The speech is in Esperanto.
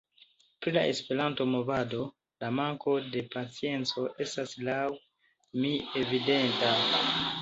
Pri la Esperanto-movado, la manko de pacienco estas laŭ mi evidenta.